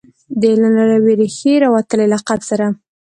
د علم له یوې ریښې راوتلي لقب سره.